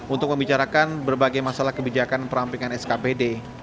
untuk membicarakan berbagai masalah kebijakan perampingan skpd